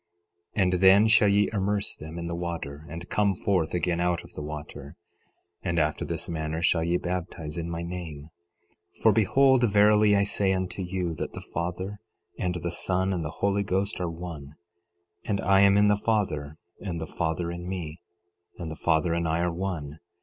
11:26 And then shall ye immerse them in the water, and come forth again out of the water. 11:27 And after this manner shall ye baptize in my name; for behold, verily I say unto you, that the Father, and the Son, and the Holy Ghost are one; and I am in the Father, and the Father in me, and the Father and I are one.